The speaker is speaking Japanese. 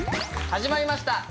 始まりました